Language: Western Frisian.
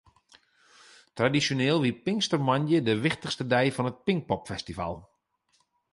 Tradisjoneel wie pinkstermoandei de wichtichste dei fan it Pinkpopfestival.